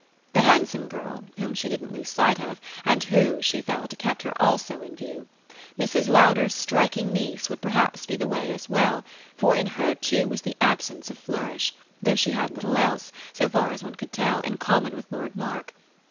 The handsome girl, whom she didn't lose sight of and who, she felt, kept her also in view Mrs. Lowder's striking niece would perhaps be the way as well, for in her too was the absence of flourish, though she had little else, so far as one could tell, in common with Lord Mark.